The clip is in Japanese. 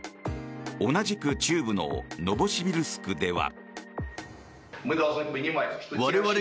同じく中部のノボシビルスクでは。